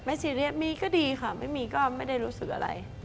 ซีเรียสมีก็ดีค่ะไม่มีก็ไม่ได้รู้สึกอะไร